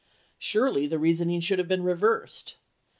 Surely the reasoning should have been reversed.